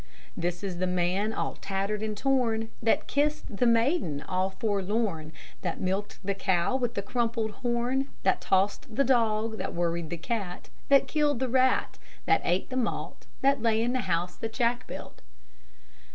This is the man all tattered and torn, That kissed the maiden all forlorn, That milked the cow with the crumpled horn, That tossed the dog, That worried the cat, That killed the rat, That ate the malt That lay in the house that Jack built.